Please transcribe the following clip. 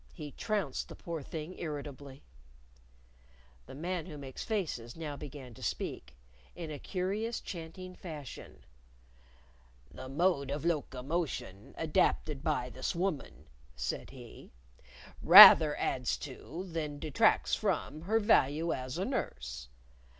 He trounced the poor thing irritably. The Man Who Makes Faces now began to speak in a curious, chanting fashion. "The mode of locomotion adapted by this woman," said he, "rather adds to, then detracts from, her value as a nurse.